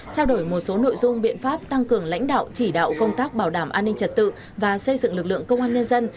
trao đổi một số nội dung biện pháp tăng cường lãnh đạo chỉ đạo công tác bảo đảm an ninh trật tự và xây dựng lực lượng công an nhân dân